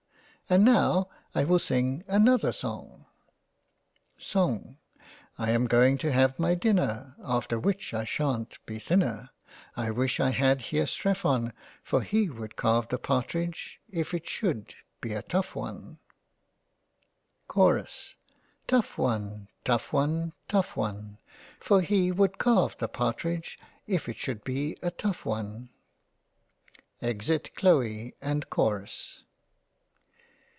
And now I will sing another song. Song — I am going to have my dinner, After which I shan't be thinner, I wish I had here Strephon For he would carve the partridge if it should be a tough one. * Note the two e's. 134 £ SCRAPS £ Chorus) Tough one, tough one, tough one For he would carve the partridge if it Should be a tough one. Exit Chloe and Chorus.